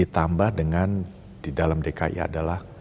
ditambah dengan di dalam dki adalah